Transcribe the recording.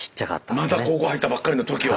まだ高校入ったばっかりの時は。